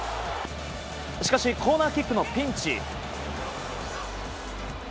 しかしコーナーキックのピンチ。